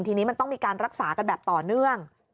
ทีนี้มันต้องมีการรักษากันแบบต่อเนื่อง